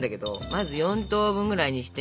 まず４等分ぐらいにして。